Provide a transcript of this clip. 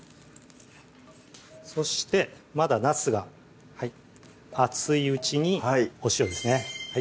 そしてまだなすが熱いうちにお塩ですね